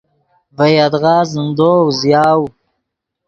ڤے یدغا زندو اوزیاؤ.